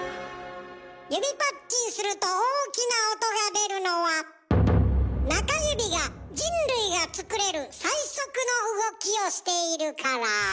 指パッチンすると大きな音が出るのは中指が人類がつくれる最速の動きをしているから。